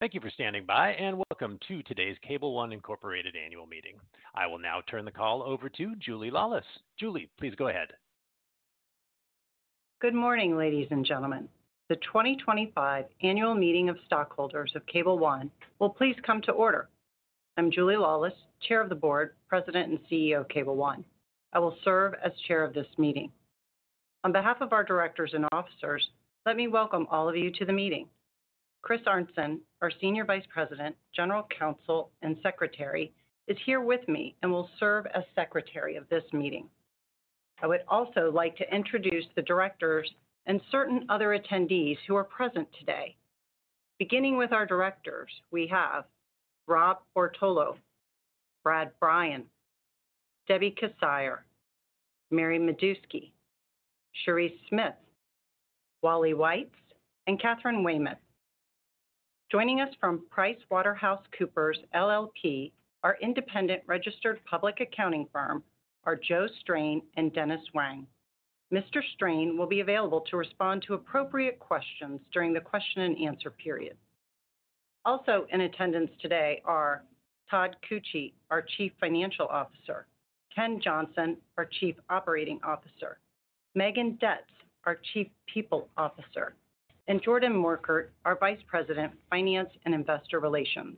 Thank you for standing by, and Welcome to today's Cable One annual meeting. I will now turn the call over to Julie Laulis. Julie, please go ahead. Good morning, ladies and gentlemen. The 2025 Annual Meeting of Stockholders of Cable One will please come to order. I'm Julie Laulis, Chair of the Board, President, and CEO of Cable One. I will serve as Chair of this meeting. On behalf of our directors and officers, let me welcome all of you to the meeting. Chris Arnson, our Senior Vice President, General Counsel, and Secretary, is here with me and will serve as Secretary of this meeting. I would also like to introduce the directors and certain other attendees who are present today. Beginning with our directors, we have Rob Bartolo, Brad Bryan, Debbie Casir, Mary Medusky, Cherise Smith, Wally Weitz, and Katherine Weymouth. Joining us from PricewaterhouseCoopers LLP, our independent registered public accounting firm, are Joe Strain and Dennis Wang. Mr. Strain will be available to respond to appropriate questions during the question-and-answer period. Also in attendance today are Todd Koetje, our Chief Financial Officer, Ken Johnson, our Chief Operating Officer, Megan Detz, our Chief People Officer, and Jordan Morkert, our Vice President, Finance and Investor Relations.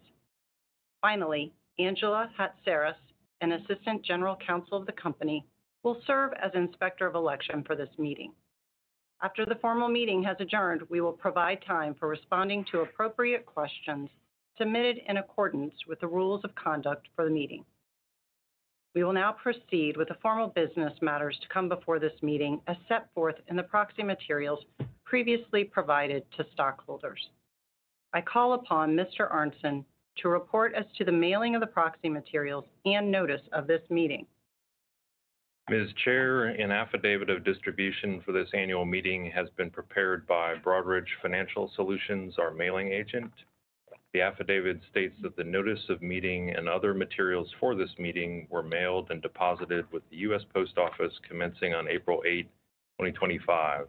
Finally, Angela Hatsaris, an Assistant General Counsel of the company, will serve as Inspector of Election for this meeting. After the formal meeting has adjourned, we will provide time for responding to appropriate questions submitted in accordance with the rules of conduct for the meeting. We will now proceed with the formal business matters to come before this meeting as set forth in the proxy materials previously provided to stockholders. I call upon Mr. Arnson to report as to the mailing of the proxy materials and notice of this meeting. Ms. Chair, an affidavit of distribution for this annual meeting has been prepared by Broadridge Financial Solutions, our mailing agent. The affidavit states that the notice of meeting and other materials for this meeting were mailed and deposited with the U.S. Post Office, commencing on April 8, 2025.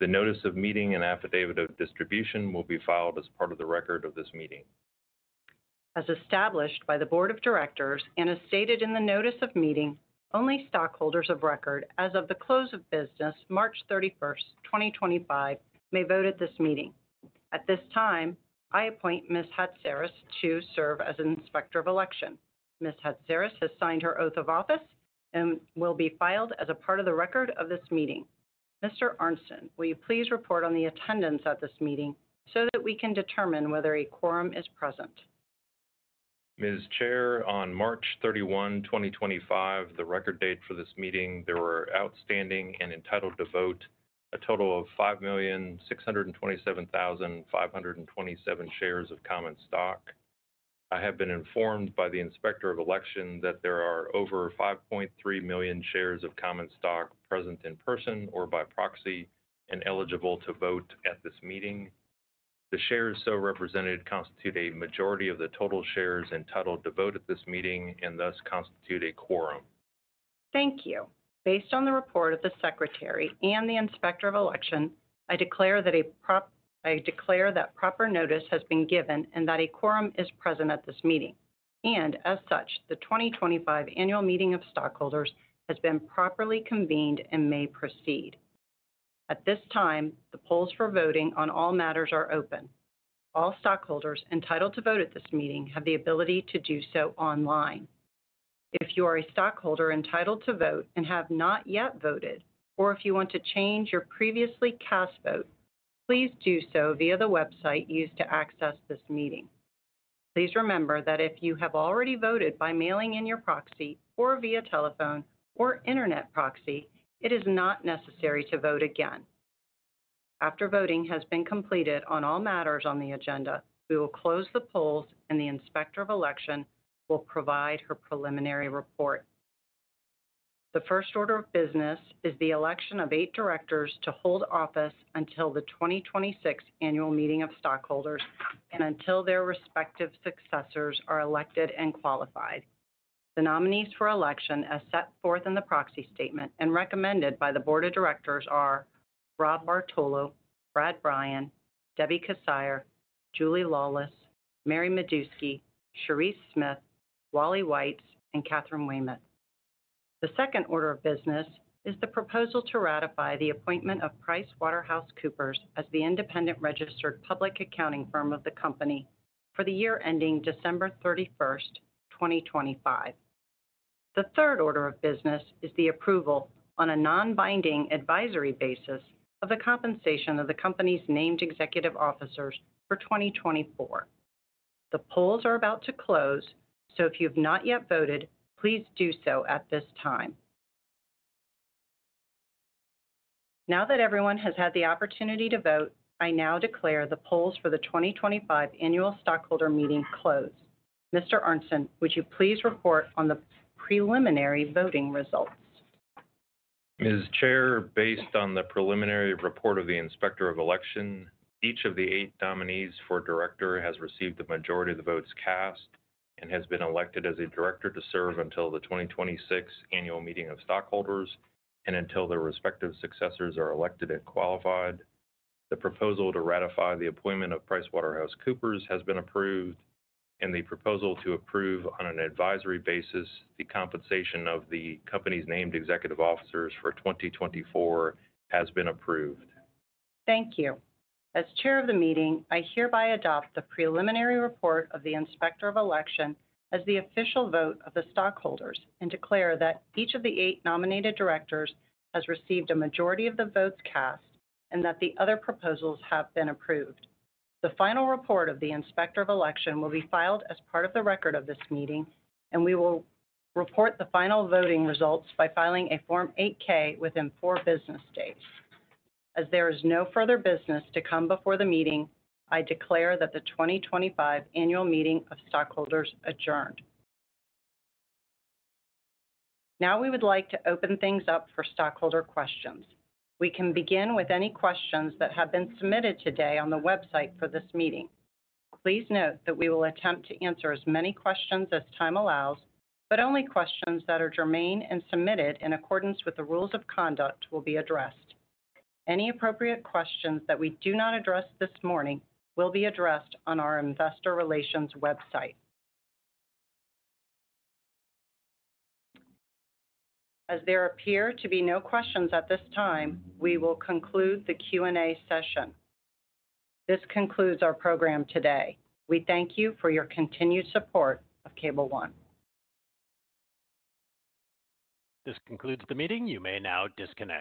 The notice of meeting and affidavit of distribution will be filed as part of the record of this meeting. As established by the Board of Directors and as stated in the notice of meeting, only stockholders of record as of the close of business, March 31, 2025, may vote at this meeting. At this time, I appoint Ms. Hatsaris to serve as Inspector of Election. Ms. Hatsaris has signed her oath of office and will be filed as a part of the record of this meeting. Mr. Arnson, will you please report on the attendance at this meeting so that we can determine whether a quorum is present? Ms. Chair, on March 31, 2025, the record date for this meeting, there were outstanding and entitled to vote a total of 5,627,527 shares of common stock. I have been informed by the Inspector of Election that there are over 5.3 million shares of common stock present in person or by proxy and eligible to vote at this meeting. The shares so represented constitute a majority of the total shares entitled to vote at this meeting and thus constitute a quorum. Thank you. Based on the report of the Secretary and the Inspector of Election, I declare that a proper notice has been given and that a quorum is present at this meeting. As such, the 2025 Annual Meeting of Stockholders has been properly convened and may proceed. At this time, the polls for voting on all matters are open. All stockholders entitled to vote at this meeting have the ability to do so online. If you are a stockholder entitled to vote and have not yet voted, or if you want to change your previously cast vote, please do so via the website used to access this meeting. Please remember that if you have already voted by mailing in your proxy or via telephone or internet proxy, it is not necessary to vote again. After voting has been completed on all matters on the agenda, we will close the polls and the Inspector of Election will provide her preliminary report. The first order of business is the election of eight directors to hold office until the 2026 Annual Meeting of Stockholders and until their respective successors are elected and qualified. The nominees for election, as set forth in the proxy statement and recommended by the Board of Directors, are Rob Bartolo, Brad Bryan, Debbie Casir, Julie Laulis, Mary Medusky, Cherise Smith, Wally Weitz, and Katherine Weymouth. The second order of business is the proposal to ratify the appointment of PricewaterhouseCoopers as the independent registered public accounting firm of the company for the year ending December 31, 2025. The third order of business is the approval on a non-binding advisory basis of the compensation of the company's named executive officers for 2024. The polls are about to close, so if you have not yet voted, please do so at this time. Now that everyone has had the opportunity to vote, I now declare the polls for the 2025 Annual Stockholder Meeting closed. Mr. Arnson, would you please report on the preliminary voting results? Ms. Chair, based on the preliminary report of the Inspector of Election, each of the eight nominees for director has received the majority of the votes cast and has been elected as a director to serve until the 2026 Annual Meeting of Stockholders and until their respective successors are elected and qualified. The proposal to ratify the appointment of PricewaterhouseCoopers has been approved, and the proposal to approve on an advisory basis the compensation of the company's named executive officers for 2024 has been approved. Thank you. As Chair of the meeting, I hereby adopt the preliminary report of the Inspector of Election as the official vote of the stockholders and declare that each of the eight nominated directors has received a majority of the votes cast and that the other proposals have been approved. The final report of the Inspector of Election will be filed as part of the record of this meeting, and we will report the final voting results by filing a Form 8-K within four business days. As there is no further business to come before the meeting, I declare that the 2025 Annual Meeting of Stockholders adjourned. Now we would like to open things up for stockholder questions. We can begin with any questions that have been submitted today on the website for this meeting. Please note that we will attempt to answer as many questions as time allows, but only questions that are germane and submitted in accordance with the rules of conduct will be addressed. Any appropriate questions that we do not address this morning will be addressed on our Investor Relations website. As there appear to be no questions at this time, we will conclude the Q&A session. This concludes our program today. We thank you for your continued support of Cable One. This concludes the meeting. You may now disconnect.